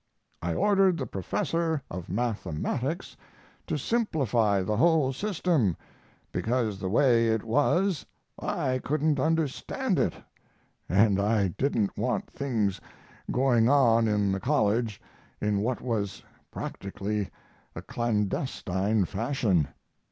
I ordered the professor of mathematics to simplify the whole system, because the way it was I couldn't understand it, and I didn't want things going on in the college in what was practically a clandestine fashion.